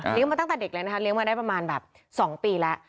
มาตั้งแต่เด็กเลยนะคะเลี้ยงมาได้ประมาณแบบ๒ปีแล้ว